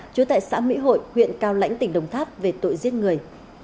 chú tại xã mỹ hội huyện cao lãnh tỉnh đồng tháp về tội giết người